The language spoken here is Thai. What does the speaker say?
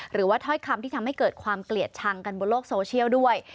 หรือว่าถ้อยคำที่ทำให้เกิดความเกลียดชังกันบนโลกโซเชียลด้วย